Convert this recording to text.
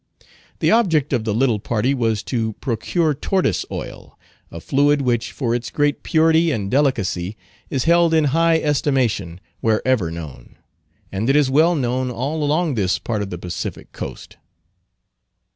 The object of the little party was to procure tortoise oil, a fluid which for its great purity and delicacy is held in high estimation wherever known; and it is well known all along this part of the Pacific coast.